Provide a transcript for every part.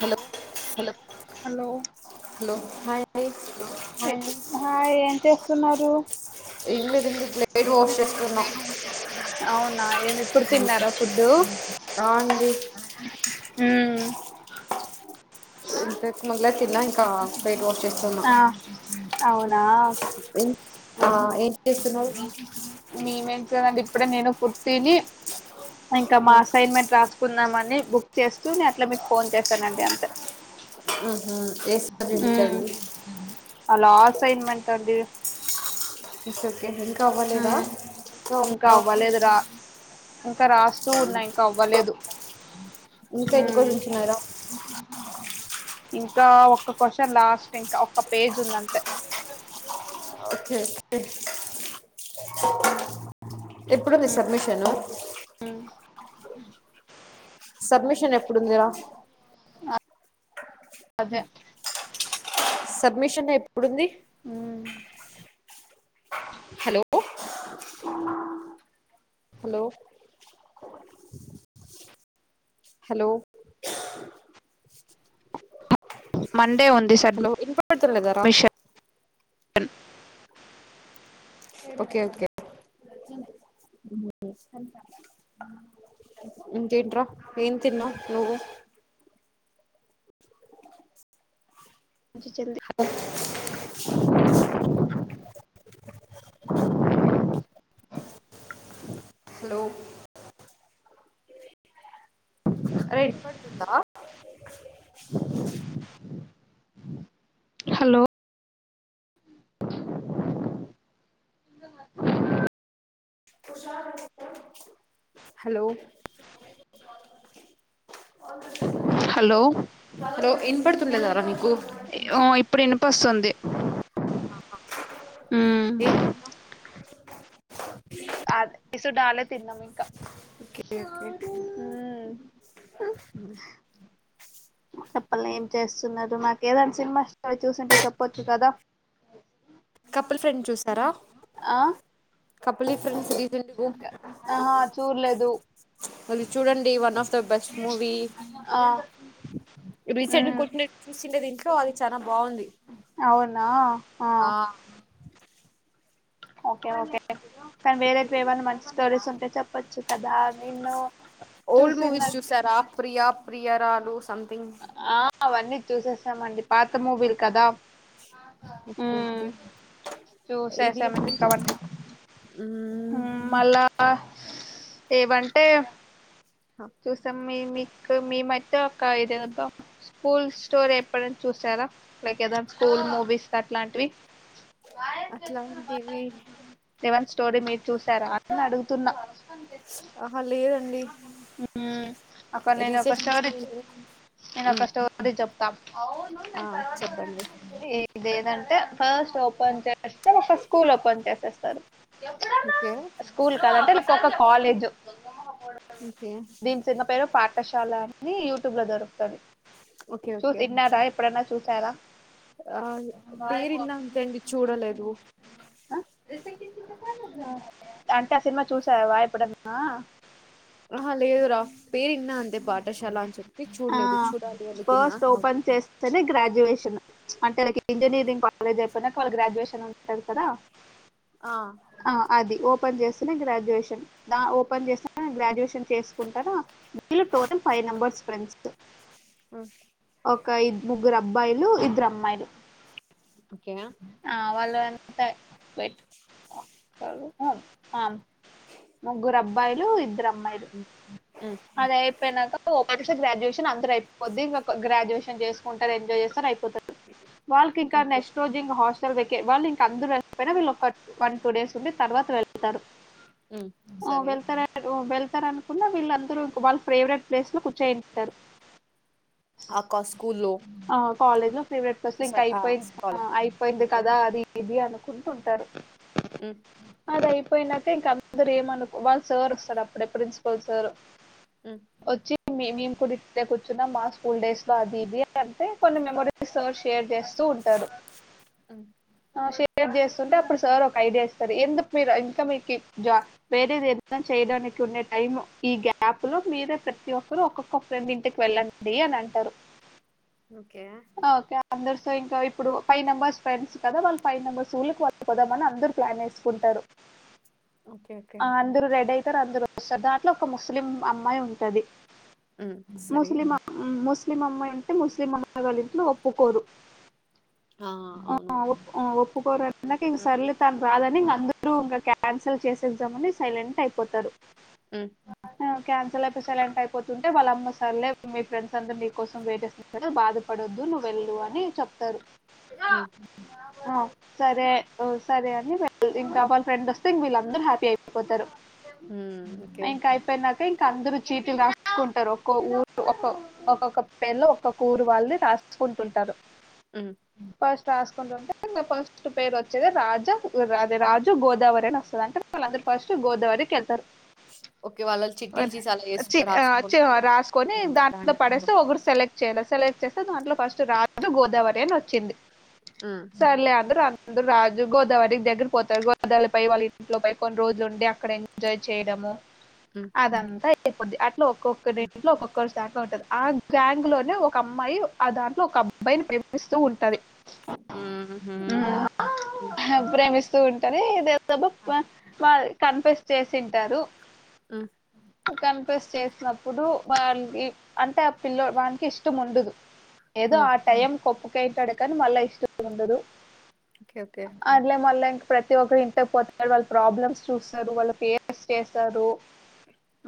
Hello hello hello hello hi అండి చెల్లి hi ఏంచేస్తున్నావ్ నువ్వు ఏం లేదండి ప్లేట్ ఏం వాష్ లేదండి చేస్తున్నా ప్లేట్ వాష్ చేస్తున్న అవునా ఏమి ఇప్పుడు తిన్నారా ఫుడ్డు ఆ అండి ఉమ్ [unintelligible] తిన్న ఇంకా ఫేట్ వాష్ చేస్తున్నా ఆ అవునా ఏం ఆ ఏం చేస్తున్నారు మీమే దండి ఇప్పుడే నేను ఫుడ్ తిని ఇంకా మా ఆ అసైన్మెంట్ రాసుకుందమ ని బుక్ చేస్తూ నేను అట్లా మీకు ఫోన్ చేశానండి అంతే ఆహ వేస్త రంటిచారండి అలా అసైన్మెంట్ అండి ఇట్స్ ఓకే ఇంకా అవ్వలేదా హ్మ్ ఇంకా అవ్వలేదురా ఇంకా రాస్తూ ఉన్నా ఇంకా అవ్వలేదు ఇంకా ఎన్ని ఉమ్ క్వశ్చన్స్ ఉన్నాయిరా ఇంకా ఒక క్యూషన్ లాస్ట్ ఇంకా ఒక్క పేజ్ ఉందింతే ఒకే ఒకే ఎప్పుడుంది సబ్మిషను సబ్మిషన్ ఎప్పుడుందిరా అదే సర్మిషన్ ఎప్పుడుంది అ హలో హలో హలో మండే ఉంది హలో ఇన్ పాడుతున్నాలేదారా అన్ ఓకే ఓకే ఇంకా ఎంట్రా ఎమ్ తిన్నవ్ జల్ది అ హలో రె పడుందా హలో హలో అ హలో ఇనపడుతుండేదారా నీకు హలోఓ ఇప్పుడు ఎనిపిస్తుంది దే ఏ ఆద్ ఏసుడాలే తిన్నాను ఒకొక్క మ్మ్. చెప్పలే ఏం చేస్తున్నారు నాకు ఏదైనా సినిమా స్ చూసింటే చెప్పొచ్చు కదా కపుల్ ఫ్రెండ్ చూసారా ఆ కూప్లై ఫ్రెండ్స్ జీతెలుగు ఆహా చూడలేదు వెళ్లి చూడండి one of the best movie ఆ, రీసెంట్ ని మ్మ్. కుట్టినట్టు చూసిండే ద దిట్లో అది చాలా బాగుంది అవునా ఆ ఓకే ఓకే కానీ ఓకే వేరేతే ఏమైన్నా మంచి స్టోరీస్ ఉంటే చెప్పచ్చు కదా నేన్ను ఓల్డ్ మూవీస్ చూసారా ప్రియా ప్రియరాలు సంథింగ్ మండి పాత మోబిల్ కదా ఓకే మ్మ్. ఓకే ఏది చూసేసాం ఇంక అవన్నీ మళ ఏవంటే చూసాం మీ మీకు మీమైతే ఒక ఐదేదాం స్కూల్ స్టోరీ ఎప్పుడనా చూసారా లైక్ ఏదనా స్కూల్ మూవీస్ అట్లాంటివి అట్లాంటివి ఇవన స్టోరీ మీరు చూసారు అని అడుగుతున్నా ఆహో లేదండి అక్క నేను రీసెర్చ్ కోసం ఒకసారి చు ఏంటిది నేను ఒక స్టోరీ చెప్తాం ఆ చెప్పండి ఇదేదండి ఫస్ట్ ఓపెన్ చేస్తే ఒక స్కూల్ ఓపెన్ చేసేస్తారు ఓకే స్కూల్ కాదంటే ఇక్కొక్క కాలేజ్ ఓకే దీని చిన్న పేరు పాఠశాల అని యూట్యూబ్ లో దొరుకుతది ఓకే చూస ఓకే ఇన్న రా ఎప్పుడన్నా చూసారా ఆ పేరుయింకా అండి చూడలేదు ఆ అంటే ఆ సినిమా చూసావా ఎప్పుడన్నా ఆహా లేదు రా పేరున్నా అంతే పాఠశాల అని చెప్పి చూడలేదు చూడాలి అనుకున్నా అ తెనే అంటే వాళ్ళకి ఇంజనీరింగ్ కాలేజ్ అయిపోయినా వాళ్ళ గ్రాడ్యుయేషన్ ఉంటారు కదా ఆ ఆ అది ఓపెన్ చేస్త గ్రాడ్యుయేషన్ దా ఓపెన్ చేస్త గ్రాడ్యుయేషన్ చేసుకుంటారా వీలు టోటల్ ఫైవ్ నెంబర్స్ ఫ్రెండ్స్ హ్మ్మ్ ఒక ఇ ముగ్గురు అబ్బాయిలు ఇద్దరు అమ్మాయిలు ఓకే ఆ వాళ్ళ ఎంతా ట్ ఆ ముగ్గురు అబ్బాయిలు ఇద్దరు అమ్మాయిలు ఉమ్, అది అయిపోయినాక పో గ్రాడ్యుయేషన్ అందరు అయిపోద్ది ఇంక గ్రాడ్యుయేషన్ చేసుకుంటారు ఎంజాయ్ చేస్తారు అయిపోతారు వాళ్ళకి ఇంకా ఓకే నెక్స్ట్ రోజే హాస్టల్ వేకెట్ వాళ్లు అందరు వెళ్లిపోయిన వీళ్ళు ఒక వన్ టూ డేస్ ఉండి తర్వాత వెళ్తారు ఉమ్, ఆ ఓ సరే వెళ్తార వెళ్తార అనుకున్నా వెళ్ళ వాలా ఫేవరెట్ ప్లేస్లో కూర్చోయింటారు ఆకా స్కూల్లో ఆ కాలేజ్ ఫేవరెట్ పస్ లో ఇంకా సరే ఆ అయిపోయింది కాలేజ్లో అయిపోయింది ఓకే కదా అది ఇది అ కుంటుంటారు అ పోయినాక ఇంక అందరు ఏమనుకో వాళ్ళు సార్ వస్తాడు అప్పుడే ప్రిన్సిపల్ సార్ ఉ వచ్చి మే మేము కూడా ఇట్లే కూర్చున్నా మా స్కూల్ డేస్ లో అది ఇది అంటే కొన్ని మెమరీస్ షేర్ చేస్తూ ఉంటారు అ షేర్ చేస్తుంటే అప్పుడు సార్ ఒక ఐడియా ఇస్తారు ఎందుకు మీరు ఇంకా మీకు వేరేది ఎత్తన్ చేయడానికి ఉండే టైం ఈ గా గాప్లు మీరే ప్రతి ఒక్కరు ఒక్కొక్క ఫ్రెండ్ ఇంటికి వెళ్ళండి అని అంటారు ఓకే అందరుతో ఇంకా ఇప్పుడు ఫైవ్ మెంబర్స్ ఫ్రెండ్స్ కదా వాళ్ళ ఫైవ్ మెంబర్స్ ఊళ్ళకిళ్ళు పోదామని అందరు ప్లాన్ ఏసుకుంటారు ఓకే ఓకే ఆ అందరు రెడ్ అయితారు అందరు వస్తారు దాంట్లో ఒక ముస్లిం అమ్మాయి ఉంటది ఉమ్, సరే ముస్లిం ముస్లిం అమ్మాయి అంటే ముస్లిం అమ్మాయి వాళ్ళ ఇంట్లో ఒప్పుకోరు ఆ అవును ఆ ఒ ఆ ఒప్పుకోర ఇందాకే ఇంక సర్లే తను రాదని ఇంక అందరూ ఇంకా క్యాన్సల్ చేసేద్దామని సైలెంట్ అయిపోతారు ఉ క్యాన్సల్ అయిే ఎంటి అయిపోతుంటే వాళ్ళమ్మ సార్లే మీ ఫ్రెండ్స్ అందరు నీకోసం వెయిట్ బాధపడదు నువ్వు వెళ్ళు అని చెప్తారు ఉ ఆ సరే సరే అని వెళ్ళి ఇంకా వాళ్ళ ఫ్రెండ్ వస్తే ఇంక వీళ్ళందరు హ్యాపీ అయిపోతారు ఊ ఓకే ఇకా అందరు చీటిలు రాసుకుంటారు ఒక్క ఊరు ఒ ఒక్కొక్క పేళ్ళ ఒక్కొక్క ఊరు వాళ్ళది రాసు తీసుకుంటుంటారు ఉ రాసుకుంటుంటే ఫస్ట్ పేరు వచ్చేది రాజా అదే రాజు గోదావరి అని వస్తుంది అంటే వాళ్ళందరు ఫస్ట్ గోదావరికెళ్తారు ఓకే. వాళ్ళళ్ళు చిట్టీలు చేసి అలా ఏసుకు ఆ చ్చి రాసుకుంటూ రాసుకొని హ్మ్. దాంట్లో రాండనుకో పడేస్తే ఒకరు సెలెక్ట్ చేయాల సెలెక్ట్ దాంట్లో ఫస్ట్ రాత్ గోదావరి అని వచ్చింది హ్మ్. సర్లే అందరు అందు రాజు గోదావరి దగ్గర పోతారు గోదావరి ప వాళ్ళ ఇంట్లో ప కొన్ని రోజులు ఉండి అక్కడ ఎంజాయ్ చేయడము హ్మ్. అదంతా అయిపోద్ది అట్లా ఒక్కొక్క ఇంట్లో ఒక్కొక్కరు సాాంగ్ లో ఉంటది ఆ గ్యాంగ్ లోనే ఒక అమ్మాయి ఆ దాంట్లో ఒక అబ్బాయిని ప్రేమిస్తూ ఉంటది ఉమ్, ఉహు ప్రేమిస్తూ ఉంటారు ఏదేబ వా వా కన్ఫెస్ చేసింటారు ఆ అ కనిపేస్ చేసినప్పుడు వాళ్ళ అంటే ఆ పిల్లో వానికి ఇష్టం ఉండదు ఏదో హ్మ్. ఆ టైం కొప్పుకైతడుకని మళ్ళా ఇష్టం ఉండదు ఓకే. ఓకే. అట్లే మల్లే ప్రతి ఒక్కరు ఇంటికి పోతారు వాళ్ళు ప్రాబ్లమ్స్ చూస్తారు వాళ్ళు ఫేస్ చేస్తారు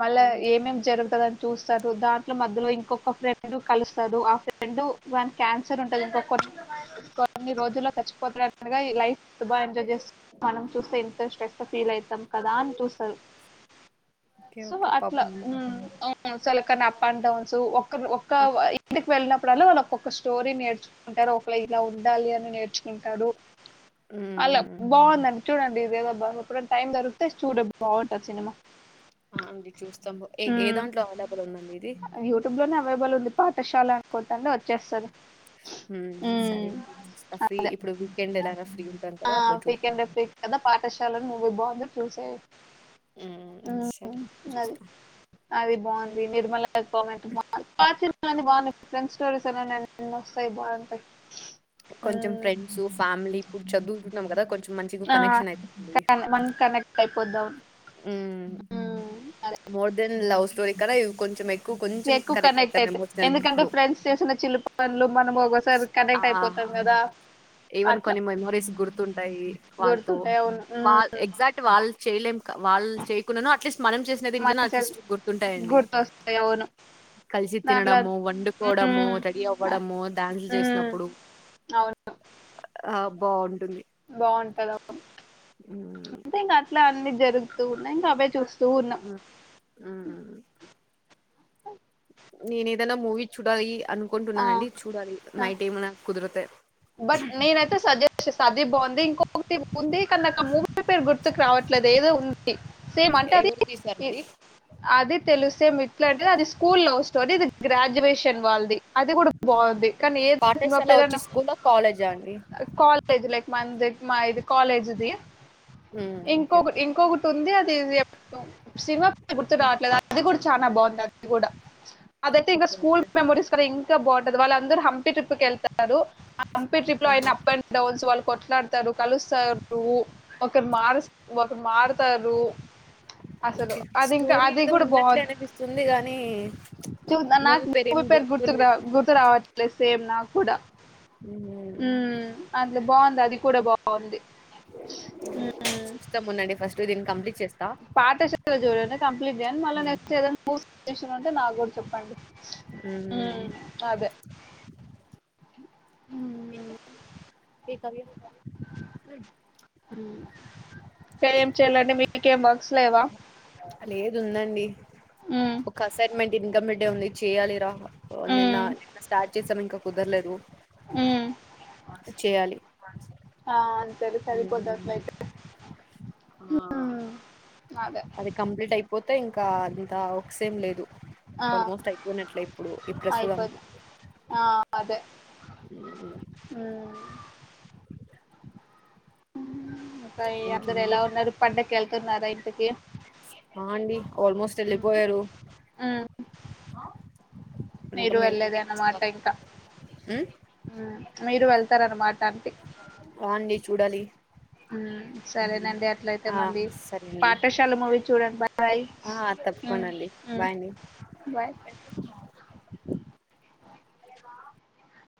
మళ్ళా ఏమేమి జరుగుతది చూస్తారు దాంట్లో మధ్యలో ఇంకొక ఫ్రెండ్ కలుస్తారు ఆ ఫ్రెండ్ దాని క్యాన్సర్ ఉంటది ఇంకొక కొన్ని రోజుల్లో చచ్చిపోతనన్నగా లైఫ్ బా ఎంజాయ్ చేస్త మనం చూస్తే ఇంతస్ ఫీల్ అయితాం కదా అని చూస్తరు ఓకే. So okay. అట్లా పాపం. హ్మ్. ఉమ్ చలకని అప్ అండ్ డౌన్స్ ఒక్క ఒక్క ఆ! ఇంటికి వెళ్ళిన అప్పుడల్లా వాళ్ళు ఒక్కొక్క స్టోరీ నేర్చుకుంటారు ఒకళ ఇలా ఉండాలి అని నేర్చుకుంటారు హ్మ్. అలా హ్మ్. హ్మ్. బాగుందండి చూడండి ఇదేదో ఎప్పుడైన టైం దొరికితే చూడు బాగుంటది సినిమా ఆ అండి చూస్తాం ఏ ఏ దాంట్లో అవైలబుల్ ఉందండి ఇది అవైబల్ ఉంది పాఠశాల అనుకుంటాను వచ్చేస్తది ఉ సరే ఫ్రీ ఇప్పుడు వీకెండ్ ఎలాగ ఫ్రీ ఉంటాను కదా అప్పుడు చూడు కథా పాఠశాలను నువ్వు బాగుంది చూసేయి మ్ సర నిర్మలా కామెంట్ మా అ బాగున్నాయి ఫ్రెండ్ స్టోరీస్ అన్న వస్తాయి బాగుంటాయి కొంచెం మ్ ఫ్రెండ్స్ ఫ్యామిలీ ఇప్పుడు చదువుకుంటన్నాం కదా కొంచెం మంచిగా ఆ కనెక్షన్ అవుతుంది కనెక్ట్ అయిపోతము ఉమ్ అద ఇవి కొంచెం ఎక్కువ కొంచెం ఎక్కువ కనెక్ట్ అయితాం అయితే ఎమోషనల్ ఎందుకంటే ఎక్కువ. ఫ్రెండ్స్ చేసిన చిలు పనులు మనం ఒకసారి కనెక్ట్ అయిపోతాం కదా ఈవన్ అట్లా కొన్ని మెమోరీస్ గుర్తుంటాయి వాళ్ళతో గుర్తుంటాయి అవును వా మ్ ఎగ్జాక్ట్ వాళ్ళు చేయలేం వాళ్ళు చేయకుండాను అట్లీస్ట్ మనం చేసిన దీంట్లో మంచిగా అట్లీస్ట్ గుర్తుంటాయండి గుర్తొస్తాయి అవును కలిసి దాంట్లో తినడము వండుకోవడము మ్మ్ రెడీ అవ్వడము డాన్సులు చేస్తు మ్మ్ అవును ఆ బాగుంటుంది అంటే ఇంకా అట్లా అన్ని జరుగుతూ ఉన్నాయి ఇంకా అవే చూస్త ఉమ్ ఉమ్ ఓ నేను ఏదైనా మూవీ చూడాలి ఆ అనుకుంటున్నానండి చూడాలి ఆ నైట్ ఏమైనా కుదిరతే బట్ ననయితే సజెస్ట్ చేస్తా బాగుంది ఇంకో ఉంది కానీ మూవీ పేరు గుర్తుకు రావట్లేదు ఏదో ఉంది సేమ్ అంటే అది ఎవరు తీశారండి? అది తెలుగు సేమ్ ఇట్లాంటేది అది స్కూల్ లవ్ స్టోరీ ఇది గ్రాడ్యుయేషన్ వాళ్ళది అది కూడా బాగుంది కానీ ఏద సినిమా పాఠశాల పేరనా వచ్చి స్కూలా? కాలేజా అండి? కాలేజ్ లక్ మంది మా ఇది కాలేజ్ది ఆ ఇంకొకటి ఇంకొకటి ఉంది అది సినిమా పేరు గుర్తు హ్మ్. రావట్లేదు అది కూడా చాలనా బాగుంది అది కూడా అదయితే ఇంకా ఓకే. School okay. మెమోరీస్ కద ఇంకా బాగుంటది వాళ్ళ అందరూ హంపి ట్రిప్ కి వెళ్తారు ఆ హంపి ట్రిప్ లో ఆయన ఆహా! అప్ అండ్ డౌన్స్ వాళ్ళు కొట్లాడతారు కలుస్తారు ఒకరు మ ప్పుడు మారతరూ స్టోరీ ఏదో విన్నట్లే అనిపిస్తుంది గానీ చూద్దాం నాకు పేరేం మూవీ పేరు గుర్తుకు రా గుర్తులేదు. గుర్తు రావట్లే సేమ్ నాకు కూడా హ్మ్. అందులా బాగుంది అది కూడా బాగుంది చూస్తాం ఉందండి ఫస్ట్ దీన్ని కంప్లీట్ చేస్తా. పాఠశాల చూడండి కంప్లీట్ చేయండి మళ్ళ హ్మ్. నెక్స్ట్ ఏధన మూవీ ఉంటే నాకు కూడా చెప్పండి హ్మ్ అదే. ఉ హ్మ్. [inaudible] ఇకా ఏం చేయాలంటే మీకేం వర్క్స్ లేవా ఉండండి హ్మ్. ఒక అసైన్మెంట్ ఇంకంప్లీట్ డే ఉంది చేయ్యాలిరా నిన్న హ్మ్. నిన్న స్టార్ట్ చేసాం ఇంకా కుదరలేదు ఉమ్ చేయాలి ఆ అంతేలి సరిపోద్దు అట్ల హ్మ్. అయితే అదే అది కంప్లీట్ అయిపోతే ఇంకా అంత వర్క్ ఏం లేదు ఆల్మోస్ట్ అయిపోయినట్లే ఇప్పుడు ఈ ప్రస్తుత అ అయిపోద్ది. అదే. ఉమ్ హ్మ్. ఇంకా ఇంకే అందరు ఎలా ఉన్నారు పండుకి వెళ్తున్నారా ఇంటికి ఆ అండి ఆల్మోస్ట్ హ్మ్. వెళ్ళిపోయారు హ్మ్. ఇంకా మీరు మే వెళ్లేేద మేము అన్నమాట చూడాలి ఇంకా ఉమ్, మీరు వెళ్తారన్నమాట అంటి అవుండి చూడాలి సరేనండి అట్లయితే ఆ మళ్ళీ సరే అండి పాఠశాల మూవీ చూడండి బా్ ఆ తప్పకుండా అండి బాయ్ బాయ్